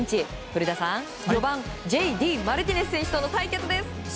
古田さん４番Ｊ．Ｄ．マルティネス選手との対決です。